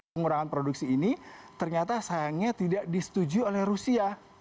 pengurangan produksi ini ternyata sayangnya tidak disetujui oleh rusia